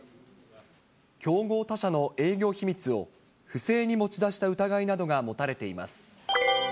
競合他社の営業秘密を不正に持ち出した疑いなどが持たれています。